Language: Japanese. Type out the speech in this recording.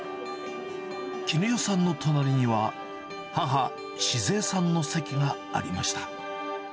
絹代さんの隣には、母、静枝さんの席がありました。